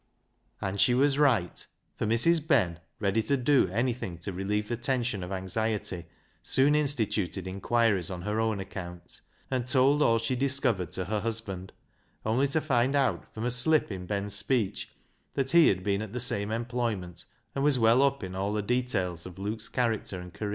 And she was right, for Mrs. Ben, ready to do anything to relieve the tension of anxiety, soon instituted inquiries on her own account, and told all she discovered to her husband, only to find out, from a slip in Ben's speech, that he had been at the same employment, and was well up in all the details of Luke's character and career.